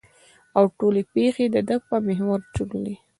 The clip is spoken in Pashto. او ټولې پېښې د ده په محور چورلي.